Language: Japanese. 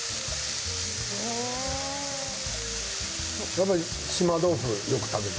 やっぱり島豆腐を食べるの？